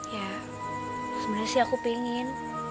ya sebenernya sih aku pingin